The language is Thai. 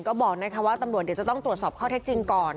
ก็บอกนะคะว่าตำรวจเดี๋ยวจะต้องตรวจสอบข้อเท็จจริงก่อน